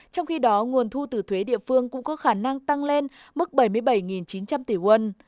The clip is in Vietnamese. trong khi đó nguồn thu từ thuế địa phương cũng có khả năng tăng lên mức bảy mươi bảy chín trăm linh tỷ won